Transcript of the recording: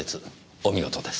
お見事です。